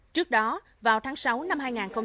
trước đó vào tháng sáu năm hai nghìn hai mươi ba